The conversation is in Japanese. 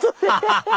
ハハハハ！